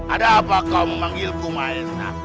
ada apa kau memanggilku maena